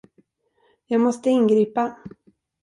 Jag måste ingripa.